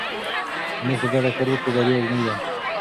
که موږ په ګډه کار وکړو بریا زموږ ده.